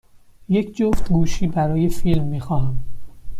یک جفت گوشی برای فیلم می خواهم.